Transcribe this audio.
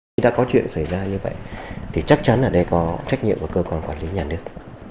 khi đã có chuyện xảy ra như vậy thì chắc chắn ở đây có trách nhiệm của cơ quan quản lý nhà nước